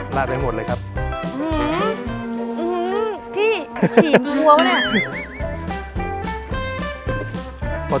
ครับลาดให้หมดเลยครับอื้อหืออื้อหือพี่ฉีดหัวเนี่ย